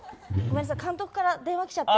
監督から電話きちゃって。